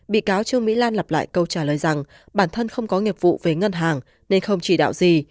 bị cáo trương mỹ lan lặp lại câu trả lời rằng bản thân không có nghiệp vụ về ngân hàng nên không chỉ đạo gì